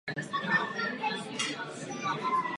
Všechny tyto činnosti byly prováděny tajně.